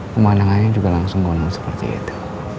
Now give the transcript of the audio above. pemandangannya juga langsung ke manang seperti itu